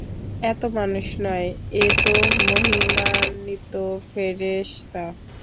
এতো মানুষ নয়, এ তো মহিমান্বিত ফেরেশতা!